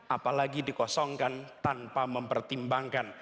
apalagi dikosongkan tanpa mempertimbangkan